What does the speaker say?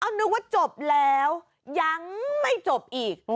นึกว่าจบแล้วยังไม่จบอีก